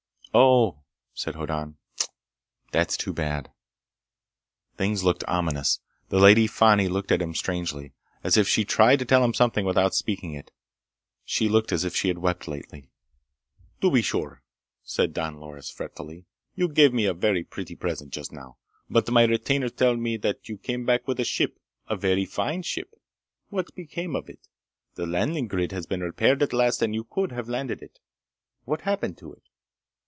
"Oh," said Hoddan. "That's too bad." Things looked ominous. The Lady Fani looked at him strangely. As if she tried to tell him something without speaking it. She looked as if she had wept lately. "To be sure," said Don Loris fretfully, "you gave me a very pretty present just now. But my retainers tell me that you came back with a ship. A very fine ship. What became of it? The landing grid has been repaired at last and you could have landed it. What happened to it?"